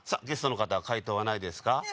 ゲストの方解答はないですか？